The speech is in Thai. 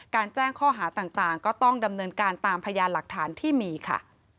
แจ้งข้อหาต่างก็ต้องดำเนินการตามพยานหลักฐานที่มีค่ะ